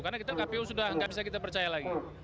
karena kita kpu sudah tidak bisa kita percaya lagi